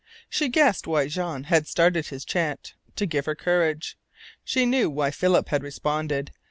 She guessed why Jean had started his chant to give her courage. She KNEW why Philip had responded.